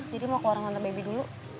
jadi mau ke warung hantar baby dulu